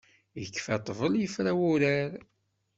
Ikfa ṭṭbel ifra wurar.